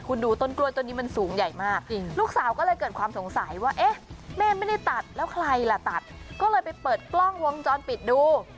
คุณดูต้นกล้วยต้นนี้มันสูงใหญ่มากลูกสาวก็เลยเกิดความสงสัยว่าเอ๊ะแม่ไม่ได้ตัดแล้วใครล่ะตัดก็เลยไปเปิดกล้องวงจรปิดดู